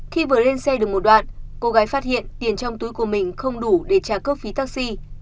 khi vừa lên xe được một đoạn cô gái phát hiện tiền trong túi của mình không đủ để trả cước phí taxi